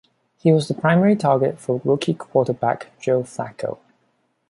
He was the primary target for rookie quarterback Joe Flacco.